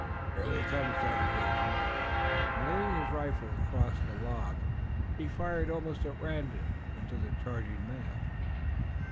"Here they come!" shouted Grosvenor, and, laying his rifle across the log, he fired almost at random into the charging mass.